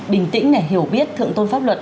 bình tĩnh hiểu biết thượng tôn pháp luật